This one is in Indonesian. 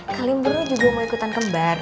kalian buru juga mau ikutan kembar